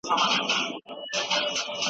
غاښونه باید هره ورځ برس شي.